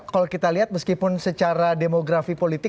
kalau kita lihat meskipun secara demografi politik